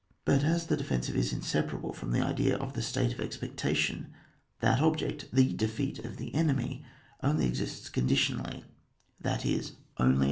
But as the defensive is inseparable from the idea of the state of expectation, that object, the defeat of the enemy, only exists conditionally, that is, only if the OHAP.